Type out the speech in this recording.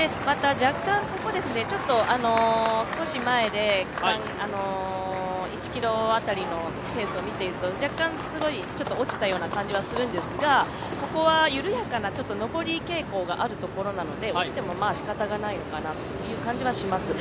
ここは少し前で１ｋｍ辺りのペースを見ていると若干落ちたような感じはするんですが、ここは緩やかな上り傾向があるところなので落ちてもしかたがないのかなという感じがします。